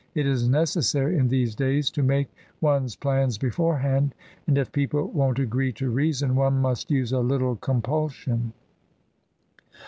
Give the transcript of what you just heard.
"It is necessary in these days to make one's plans beforehand, and if people won't agree to reason, one must use a little com pulsion."